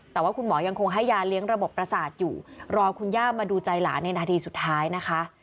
แต่ว่าคุณหมอยังคงให้ยาเลี้ยงระบบประสาทอยู่รอคุณย่ามาดูใจหลานในนาทีสุดท้ายนะคะ